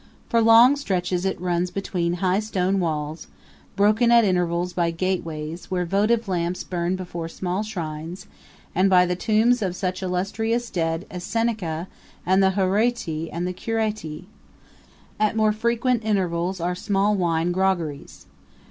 For long stretches it runs between high stone walls, broken at intervals by gate ways, where votive lamps burn before small shrines, and by the tombs of such illustrious dead as Seneca and the Horatii and the Curiatii. At more frequent intervals are small wine groggeries.